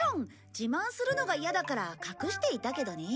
自慢するのが嫌だから隠していたけどね。